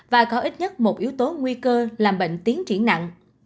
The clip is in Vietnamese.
và có ít nhất một yếu tố nguy cơ làm bệnh tiến triển nặng